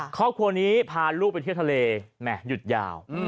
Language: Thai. ครอบครัวนี้พาลูกไปเที่ยวทะเลแหม่หยุดยาว